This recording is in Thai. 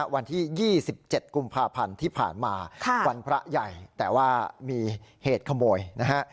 วันที่๒๗กุมภาพันธ์ที่ผ่านมาวันพระใหญ่แต่ว่ามีเหตุขโมยนะฮะ